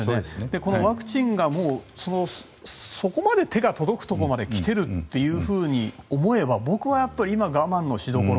ワクチンが、もうそこまで手が届くところまできているというふうに思えば僕は今我慢のしどころ。